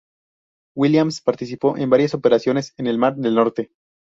Williams, participó en varias operaciones en el mar del Norte.